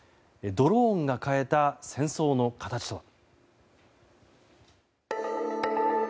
ドローンが変えた戦争の形とは。